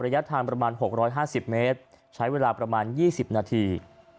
ระยะทางประมาณหกร้อยห้าสิบเมตรใช้เวลาประมาณยี่สิบนาที